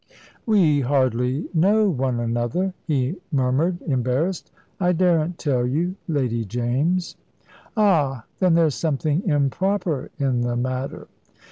"We hardly know one another," he murmured, embarrassed. "I daren't tell you, Lady James." "Ah! Then there's something improper in the matter?"